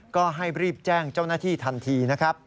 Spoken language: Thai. ก็ให้รีบแจ้งเจ้าหน้าที่ทันที